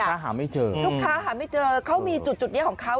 ลูกค้าหาไม่เจอลูกค้าหาไม่เจอเค้ามีจุดเนี้ยของเค้า